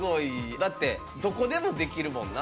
だってどこでもできるもんな？